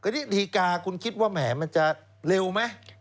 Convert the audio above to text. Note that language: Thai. อันนี้ดีกาคุณคิดว่าแหมมันจะเร็วไหม